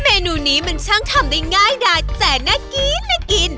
เมนูนี้มันช่างทำได้ง่ายแต่น่ากิน